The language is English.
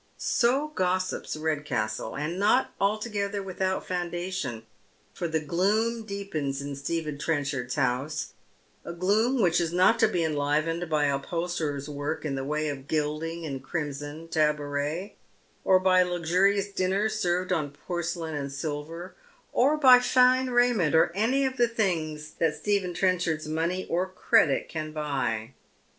So gossips Rcdcastle, and not altogether without foundation, for the gloom deepens in Stephen Trenchard's house — a gloom which is not to be enlive^ied by upholsterer's work in the way of gilding and crimson tabouret, or by luxurious dinners served on porcelain and silver, or byline raiment, or any of the things that Stephen Trenchard's money or credit can buy.